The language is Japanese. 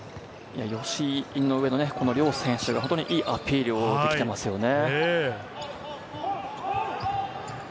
吉井、井上の両選手が本当にいいアピール、できてますね。